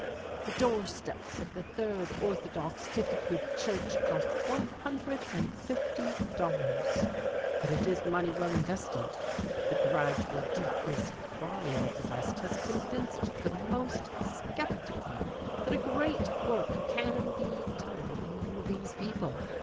The door steps of the third orthodox Kickapoo church cost one hundred and fifty dollars. But it is money well invested. The gradual decrease of crime at the West has convinced the most sceptical that a great work can be done among these people.